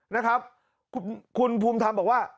นะครับคุณภูมิธรรมบอกว่า